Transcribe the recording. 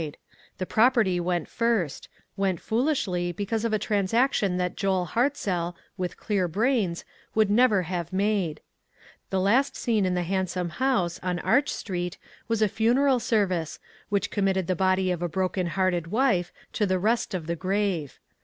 1^8 ONE COMMONPLACE DAY. The property went first ; went foolishl}r, be cause of a transaction that Joel Hartzell, with clear brains, would never have made. The last scene in the handsome house, on Arch street, was a funeral service, which committed the body of a broken hearted wife to the rest of the grave.